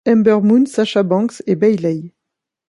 Ember Moon, Sasha Banks et Bayley.